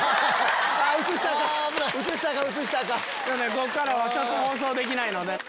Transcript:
こっからは放送できないので。